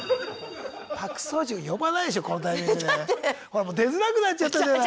ほらもう出づらくなっちゃったじゃない。